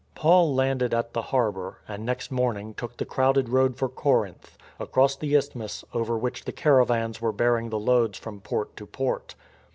Paul landed at the harbour, and next morning took the crowded road for Corinth, across the isthmus over which the caravans were bearing the loads from port to port.